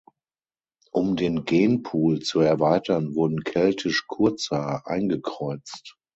Um den Genpool zu erweitern wurden Keltisch Kurzhaar eingekreuzt.